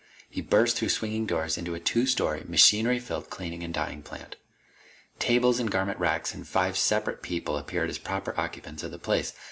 He burst through swinging doors into a two story, machinery filled cleaning and dyeing plant. Tables and garment racks and five separate people appeared as proper occupants of the place.